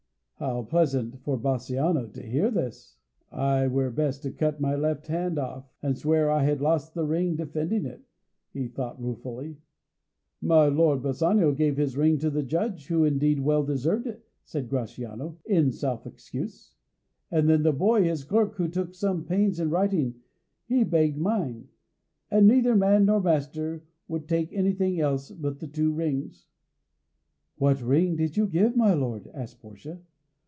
How pleasant for Bassanio to hear this! "I were best to cut my left hand off, and swear I lost the ring defending it," he thought ruefully. "My lord Bassanio gave his ring to the judge, who indeed well deserved it," said Gratiano, in self excuse. "And then the boy, his clerk, who took some pains in writing, he begged mine. And neither man nor master would take anything else but the two rings." "What ring did you give, my lord?" asked Portia.